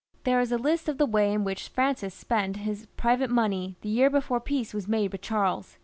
There is a list of the way in which Francis spent his private money the year before peace was made with Charles.